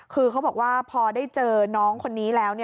คือเขาบอกว่าพอได้เจอน้องคนนี้แล้ว